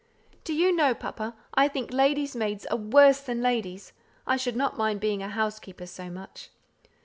"Do you know, papa, I think lady's maids are worse than ladies. I should not mind being a housekeeper so much."